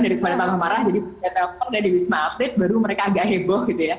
dari teman teman yang marah jadi saya di wisma atlet baru mereka agak heboh gitu ya